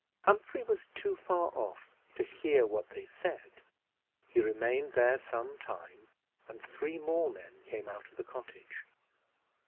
Humphrey was too far off to hear what they said; he remained there some time, and three more men came out of the cottage.